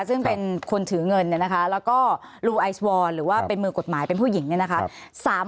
ซึ่งเป็นคนถือเงินเนี่ยนะคะแล้วก็ลูไอซ์วอนหรือว่าเป็นมือกฎหมายเป็นผู้หญิงเนี่ยนะคะ